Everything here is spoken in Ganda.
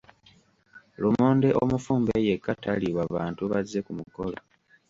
Lumonde omufumbe yekka taliibwa bantu bazze ku mukolo.